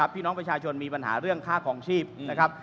พี่น้องประชาชนมีปัญหาเรื่องค่าคลองชีพนะครับ